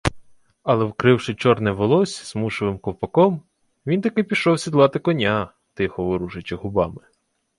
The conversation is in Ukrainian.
Але, вкривши чорне волосся смушевим ковпаком, він таки пішов сідлати коня, тихо ворушачи губами.